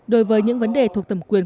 đối với những vấn đề thuộc thẩm quyền